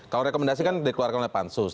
kalau rekomendasi kan dikeluarkan oleh pansus